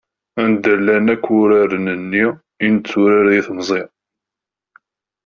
Anda llan akk wuraren-nni i netturar di temẓi?